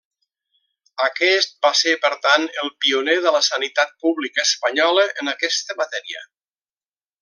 Aquest va ser, per tant, el pioner de la sanitat pública espanyola en aquesta matèria.